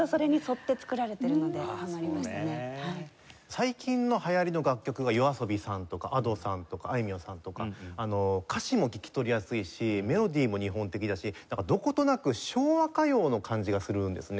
最近の流行りの楽曲がＹＯＡＳＯＢＩさんとかＡｄｏさんとかあいみょんさんとか歌詞も聞き取りやすいしメロディーも日本的だしどことなく昭和歌謡の感じがするんですね。